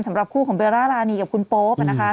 สำหรับคู่ของเบลล่ารานีกับคุณโป๊ปนะคะ